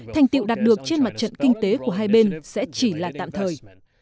thành tiệu đạt được trên mặt trận kinh tế của hai bên sẽ chỉ là tạm thời